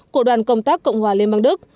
cộng đoàn công tác cộng hòa liên bang đức